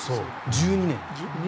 １２年で。